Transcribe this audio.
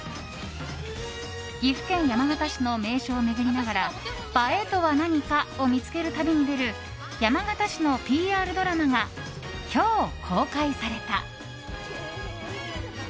岐阜県山県市の名所を巡りながら映えとは何かを見つける旅に出る山県市のＰＲドラマが今日、公開された。